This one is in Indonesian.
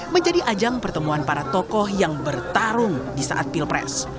menjadi ajang pertemuan para tokoh yang bertarung di saat pilpres